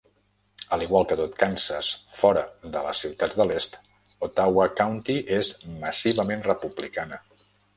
Al igual que tot Kansas fora de les ciutats de l"est, Ottawa County és massivament republicana.